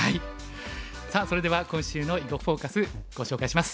さあそれでは今週の「囲碁フォーカス」ご紹介します。